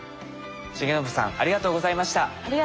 重信さんありがとうございました。